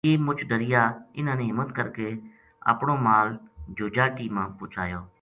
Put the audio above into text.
یہ مُچ ڈریا اِنھاں نے ہمت کر کے اپنو مال جوجاٹی ما پوہچایو